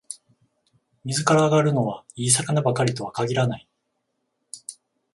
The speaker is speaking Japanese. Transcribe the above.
水から揚がるのは、いい魚ばかりとは限らない